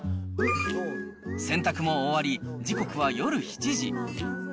洗濯も終わり、時刻は夜７時。